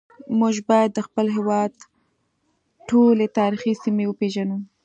موږ باید د خپل هیواد ټولې تاریخي سیمې وپیژنو